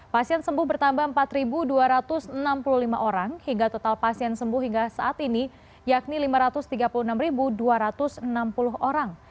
pasien sembuh bertambah empat dua ratus enam puluh lima orang hingga total pasien sembuh hingga saat ini yakni lima ratus tiga puluh enam dua ratus enam puluh orang